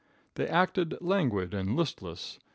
They acted languid and listless.